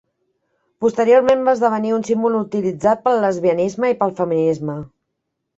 Posteriorment va esdevenir un símbol utilitzat pel lesbianisme i pel feminisme.